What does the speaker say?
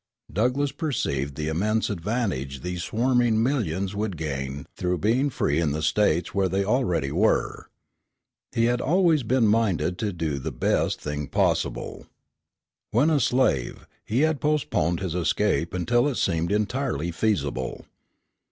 Douglass perceived the immense advantage these swarming millions would gain through being free in the States where they already were. He had always been minded to do the best thing possible. When a slave, he had postponed his escape until it seemed entirely feasible.